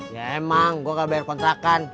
ya emang gue gak bayar kontrakan